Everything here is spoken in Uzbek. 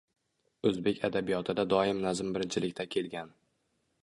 O‘zbek adabiyotida doim nazm birinchilikda kelgan.